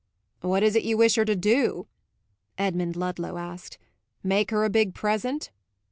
"What is it you wish her to do?" Edmund Ludlow asked. "Make her a big present?"